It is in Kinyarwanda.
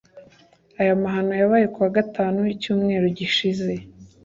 Aya mahano yabaye kuwa Gatanu w’icyumweru gishize